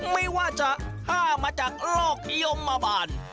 ไม่ว่าจะฆ่ามาจากโรคยมมาบัน